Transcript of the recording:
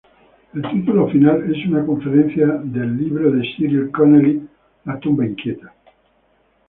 El título final es una referencia al libro de Cyril Connolly "La tumba inquieta".